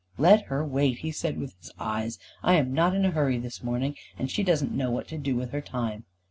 "Let her wait," he said with his eyes, "I am not in a hurry this morning, and she doesn't know what to do with her time.